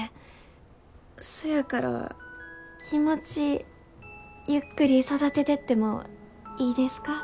そやから気持ちゆっくり育ててってもいいですか？